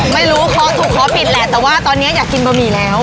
ไม่รู้เคาะถูกขอปิดแหละแต่ว่าตอนนี้อยากกินบะหมี่แล้ว